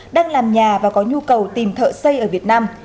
đang làm nhà và có nhu cầu tìm thợ xây ở việt nam